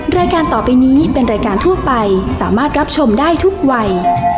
รายการต่อไปนี้เป็นรายการทั่วไปสามารถรับชมได้ทุกวัย